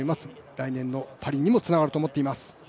来年のパリにもつながると思っています。